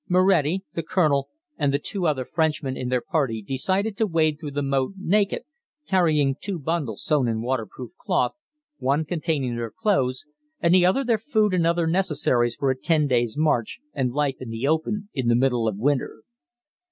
Moretti, the Colonel, and the two other Frenchmen in their party decided to wade through the moat naked, carrying two bundles sewn in waterproof cloth, one containing their clothes and the other their food and other necessaries for a ten days' march and life in the open in the middle of winter.